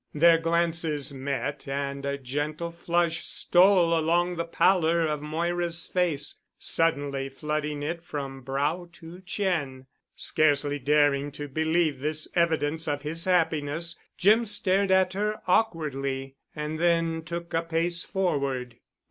Their glances met and a gentle flush stole along the pallor of Moira's face, suddenly flooding it from brow to chin. Scarcely daring to believe this evidence of his happiness, Jim stared at her awkwardly, and then took a pace forward.